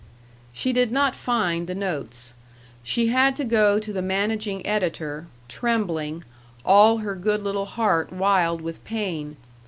She did not find the notes. She had to go to the managing editor, trembling, all her good little heart wild with pain.